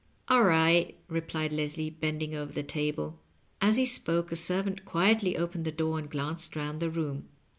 . "All right," replied Leslie, bending over the table. As he spoke a servant quietly opened the door and glanced round the room.